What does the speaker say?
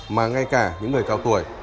mà ngay cả những người cao tuổi